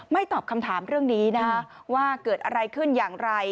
ตอบคำถามเรื่องนี้นะคะว่าเกิดอะไรขึ้นอย่างไร